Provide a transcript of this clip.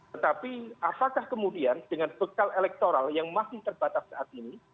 tetapi apakah kemudian dengan bekal elektoral yang masih terbatas saat ini